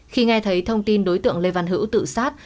khi nghe thấy thông tin đối tượng lê văn hữu tự sát